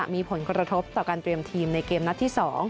มีผลกระทบต่อการเตรียมทีมในเกมนัดที่๒